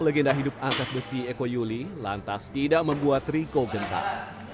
legenda hidup angkat besi eko yuli lantas tidak membuat riko gentar